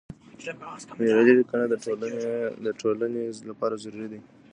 معیاري لیکنه د ټولنې لپاره ضروري ده.